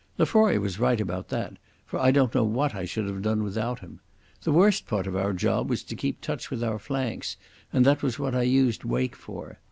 Lefroy was right about that, for I don't know what I should have done without him. The worst part of our job was to keep touch with our flanks, and that was what I used Wake for.